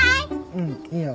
うんいいよ。